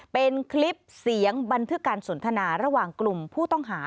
เป็นคลิปเสียงบันทึกการสนทนาระหว่างกลุ่มผู้ต้องหา